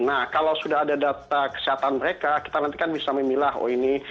nah kalau sudah ada data kesehatan mereka kita nantikan bisa memilah oh ini